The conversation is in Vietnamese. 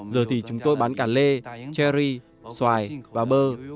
giờ thì chúng tôi bán cà lê cherry xoài và bơ